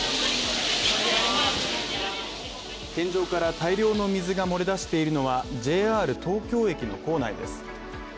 天井から大量の水が漏れ出しているのはＪＲ東京駅の構内です。